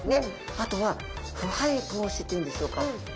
あとはふはい防止っていうんでしょうか。